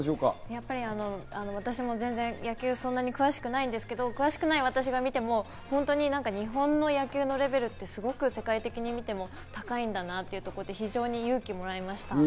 やっぱり私も全然野球そんなに詳しくないですけど、詳しくない私が見ても本当に日本の野球のレベルって世界的に見ても高いんだなというところで非常に勇気をもらいました。